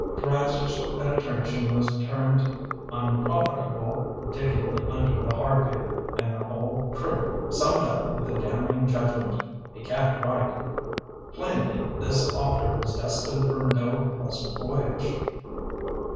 Dreiser's penetration was termed "unprofitable digging under the hardpan". And the whole crew summed up with the damning judgment: "He can't write." Plainly this author was destined for no pleas ant voyage.